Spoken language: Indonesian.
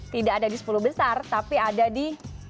tidak ada di sepuluh besar tapi ada di